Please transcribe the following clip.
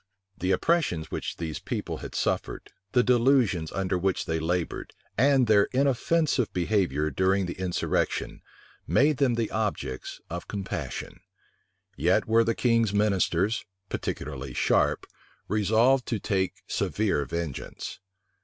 The oppressions which these people had suffered, the delusions under which they labored, and their inoffensive behavior during the insurrection, made them the objects of compassion: yet were the king's ministers, particularly Sharpe, resolved to take severe vengeance.